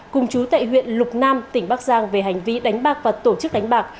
cùng chú tại huyện lục nam tỉnh bắc giang về hành vi đánh bạc và tổ chức đánh bạc